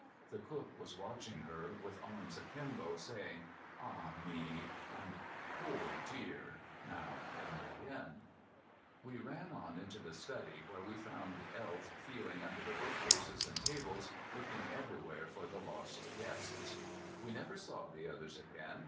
The cook was watching her, with arms akimbo, saying "Ah, me," and "Poor dear," now and again. We ran on into the study, where we found the Elf feeling under the bookcases and tables, looking everywhere for the lost guests. We never saw the others again.